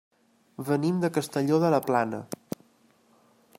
Venim de Castelló de la Plana.